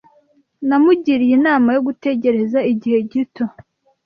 Namugiriye inama yo gutegereza igihe gito.